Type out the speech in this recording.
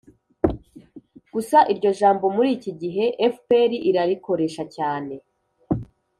gusa iryo jambo muri iki gihe fpr irarikoresha cyane